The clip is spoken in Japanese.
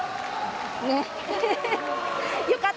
ねっ。